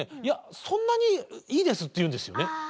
「いやそんなにいいです」って言うんですよね。